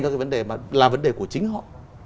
các cái vấn đề mà là vấn đề của chính họ